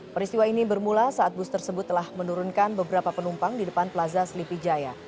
peristiwa ini bermula saat bus tersebut telah menurunkan beberapa penumpang di depan plaza selipi jaya